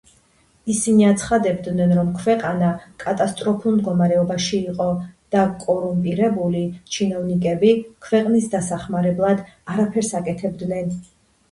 ისინი აცხადებდნენ, რომ „ქვეყანა კატასტროფულ“ მდგომარეობაში იყო და „კორუმპირებული ჩინოვნიკები“ ქვეყნის დასახმარებლად არაფერს აკეთებდნენ.